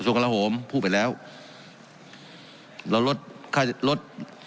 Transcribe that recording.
ศูนย์กระหละหมพูดไปแล้วเราลดข้ายลด